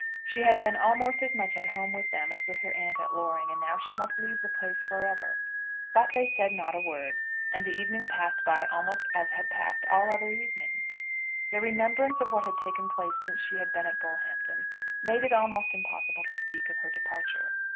She had been almost as much at home with them as with her aunt at Loring; and now she must leave the place for ever. But they said not a word; and the evening passed by almost as had passed all other evenings. The remembrance of what had taken place since she had been at Bullhampton made it almost impossible to speak of her departure.